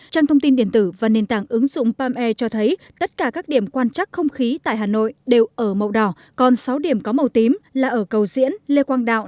trang thông tin điện tử và nền tảng ứng dụng palm air cho thấy tất cả các điểm quan trắc không khí tại hà nội đều ở màu đỏ còn sáu điểm có màu tím là ở cầu diễn lê quang đạo